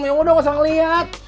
ya udah nggak usah liat